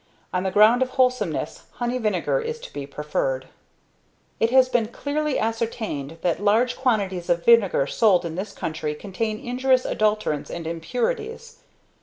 ~On the ground of wholesomeness honey vinegar is to be preferred.~ It has been clearly ascertained that large quantities of vinegar sold in this country contain injurious adulterants and impurities.